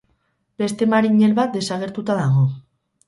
Beste marinel bat desagertuta dago.